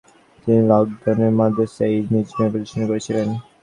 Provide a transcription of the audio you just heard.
তিনি লখনউতে মাদ্রাসা-ই-নিজামিয়া প্রতিষ্ঠা করেছিলেন।